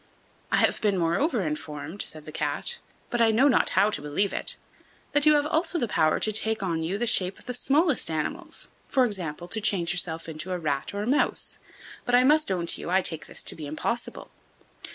"I have been, moreover, informed," said the Cat, "but I know not how to believe it, that you have also the power to take on you the shape of the smallest animals; for example, to change yourself into a rat or a mouse; but I must own to you I take this to be impossible."